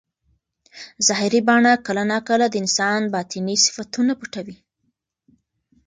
ظاهري بڼه کله ناکله د انسان باطني صفتونه پټوي.